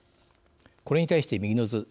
これに対して、右の図。